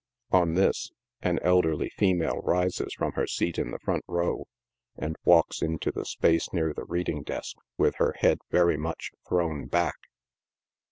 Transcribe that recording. On this, an elderly female rises from her seat in the front row, and walks into the space near the reading desk, with her head very much thrown back.